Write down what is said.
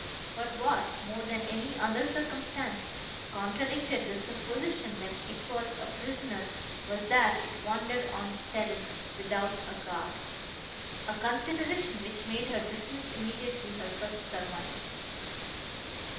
But what, more than any other circumstance, contradicted the supposition, that it was a prisoner, was that it wandered on the terrace, without a guard: a consideration, which made her dismiss immediately her first surmise.